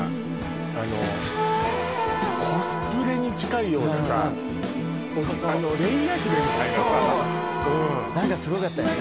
あのコスプレに近いようなさレイア姫みたいなさそう何かすごかったよね